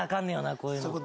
こういうのって。